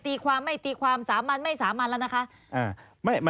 ตีความไม่ตีความสามัญไม่สามัญแล้วนะคะ